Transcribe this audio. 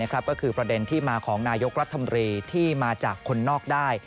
ก็คือประเด็นที่มาของนายกรัฐมนตรีที่มาจากคนนอกได้